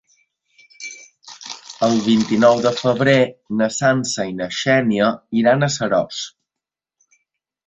El vint-i-nou de febrer na Sança i na Xènia iran a Seròs.